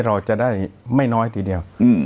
เราจะได้ไม่น้อยทีเดียว